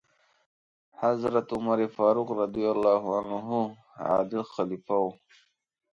حضرت عمر فاروق رض عادل خلیفه و.